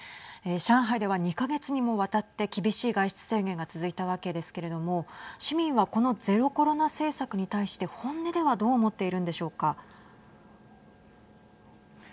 上海では、２か月にもわたって厳しい外出制限が続いたわけですけれども市民はこのゼロコロナ政策に対して本音ではどう思っているんでしょうか。